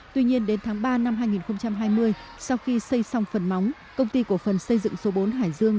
tuy nhiên đến tháng ba năm hai nghìn hai mươi sau khi xây xong phần móng công ty cổ phần xây dựng số bốn hải dương